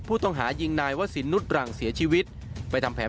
ผู้ต้องหายิงนายว่าสินนุฏรั่งเสียชีวิตไปทำแผน